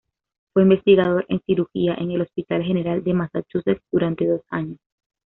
Fue investigador en cirugía en el Hospital General de Massachusetts durante dos años.